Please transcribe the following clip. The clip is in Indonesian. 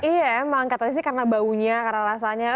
iya emang katanya sih karena baunya karena rasanya